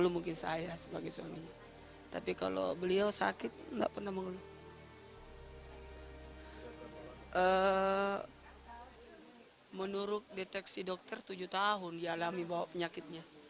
menurut deteksi dokter tujuh tahun dialami bahwa penyakitnya